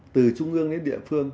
từ trung ương đến địa phương